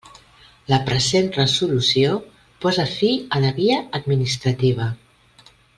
La present resolució posa fi a la via administrativa.